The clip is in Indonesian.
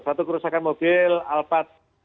satu kerusakan mobil alfa